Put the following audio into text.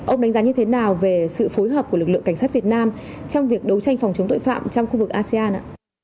ông đánh giá như thế nào về sự phối hợp của lực lượng cảnh sát việt nam trong việc đấu tranh phòng chống tội phạm trong khu vực asean ạ